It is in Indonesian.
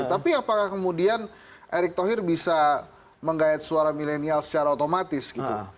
tapi apakah kemudian erick thohir bisa menggayat suara milenial secara otomatis gitu